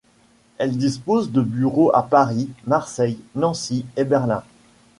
Elle dispose de bureaux à Paris, Marseille, Nancy et Berlin.